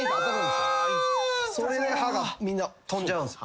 それで歯がみんな飛んじゃう。